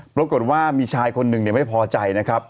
ปรากฏว่ามีชายคนหนึ่งไม่พอใจนะครับ